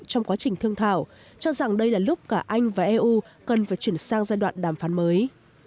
trong quá trình thương thảo cho rằng đây là lúc cả anh và eu cần phải chuyển sang giai đoạn đàm phán mới